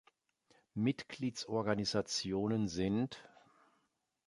Mitgliedsorganisationen sind